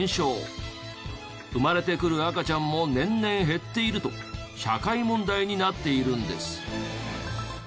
生まれてくる赤ちゃんも年々減っていると社会問題になっているんです。